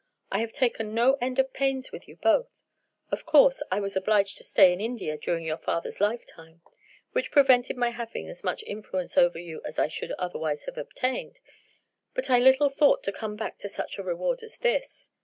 I have taken no end of pains with you both. Of course I was obliged to stay in India during your father's lifetime, which prevented my having as much influence over you as I should otherwise have obtained: but I little thought to come back to such a reward as this.